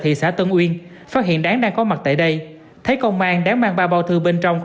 thị xã tân uyên phát hiện đáng đang có mặt tại đây thấy công an đang mang ba bào thừa bên trong có